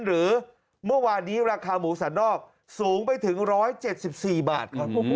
หรือเมื่อวานนี้ราคาหมูสันนอกสูงไปถึง๑๗๔บาทครับ